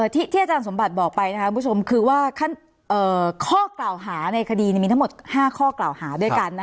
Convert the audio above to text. ที่อาจารย์สมบัติบอกไปนะครับคุณผู้ชมคือว่าข้อกล่าวหาในคดีมีทั้งหมด๕ข้อกล่าวหาด้วยกัน